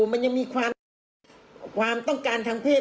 มันยังมีความต้องการทางเพศ